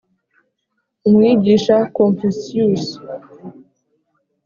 umwigisha confucius